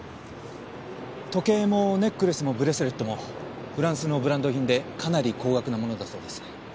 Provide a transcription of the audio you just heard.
時計もネックレスもブレスレットもフランスのブランド品でかなり高額なものだそうです。